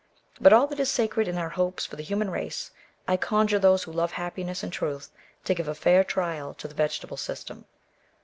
By all that is sacred in our hopes for the human race, I conjure those who love happiness and truth, to give a fair trial to the vegetable system.